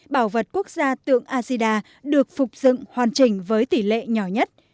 bảo vật quốc gia tượng azida được phục dựng hoàn chỉnh với tỷ lệ nhỏ nhất